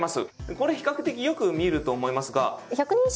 これ比較的よく見ると思いますが。